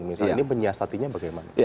misalnya ini penyiasatinya bagaimana